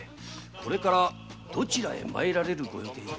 これからどちらへ参られるご予定で？